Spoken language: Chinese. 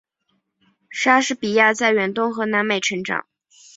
莎士比亚在远东和南美成长。